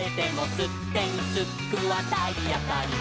「すってんすっくはたいあたり」